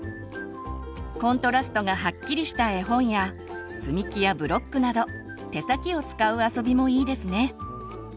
コントラストがはっきりした絵本や積み木やブロックなど手先を使う遊びもいいですね。